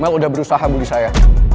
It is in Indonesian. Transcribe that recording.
memang udah berusaha bully saya